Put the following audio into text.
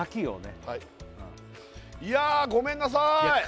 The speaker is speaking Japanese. はいいやごめんなさーい